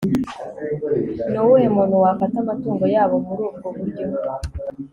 Ni uwuhe muntu wafata amatungo yabo muri ubwo buryo